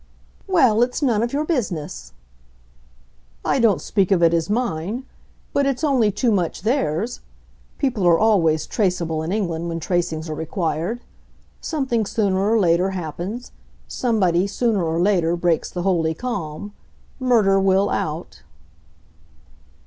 "Well, it's none of your business!" "I don't speak of it as mine, but it's only too much theirs. People are always traceable, in England, when tracings are required. Something, sooner or later, happens; somebody, sooner or later, breaks the holy calm. Murder will out."